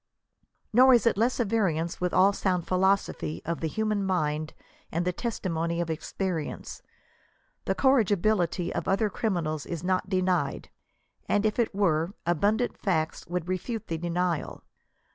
Nor is it less at variance with all sound philosophy of the human mind and the testimony of experience. The corrigibility of other criminals is not denied, and, if it were, abundant facts would refute the denial.